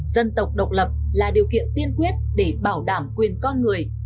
dân tộc độc lập là điều kiện tiên quyết để bảo đảm quyền con người